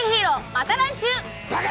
また来週！